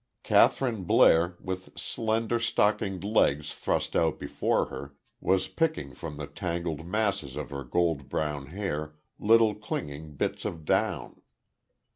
Kathryn Blair, with slender, stockinged legs thrust out before her, was picking from the tangled masses of her gold brown hair little clinging bits of down.